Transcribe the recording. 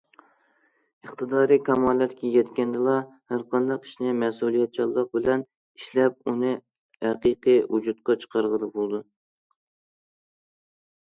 ئىقتىدارى كامالەتكە يەتكەندىلا، ھەر قانداق ئىشنى مەسئۇلىيەتچانلىق بىلەن ئىشلەپ، ئۇنى ھەقىقىي ۋۇجۇدقا چىقارغىلى بولىدۇ.